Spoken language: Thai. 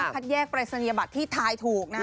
คัดแยกปรายศนียบัตรที่ทายถูกนะ